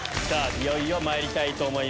いよいよまいりたいと思います。